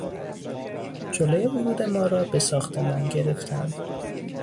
جلوی ورود ما را به ساختمان گرفتند.